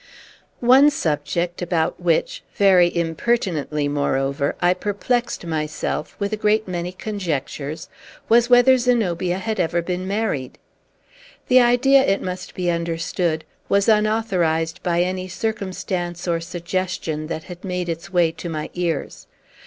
One subject, about which very impertinently, moreover I perplexed myself with a great many conjectures, was, whether Zenobia had ever been married. The idea, it must be understood, was unauthorized by any circumstance or suggestion that had made its way to my ears.